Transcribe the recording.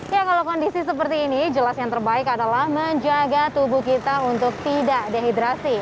ya kalau kondisi seperti ini jelas yang terbaik adalah menjaga tubuh kita untuk tidak dehidrasi